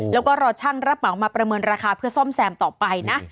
แล้วก็รอช่างรับเหมามาประเมินราคาเพื่อซ่อมแซมต่อไปนะ